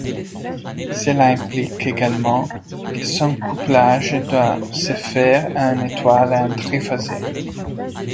Cela implique également que son couplage doit se faire en étoile en triphasé.